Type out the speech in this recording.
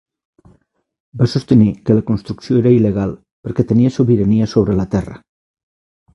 Va sostenir que la construcció era il·legal perquè tenia sobirania sobre la terra.